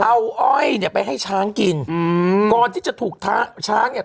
เอาอ้อยเนี่ยไปให้ช้างกินอืมก่อนที่จะถูกช้างเนี่ย